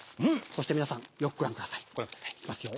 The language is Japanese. そして皆さんよくご覧ください行きますよ。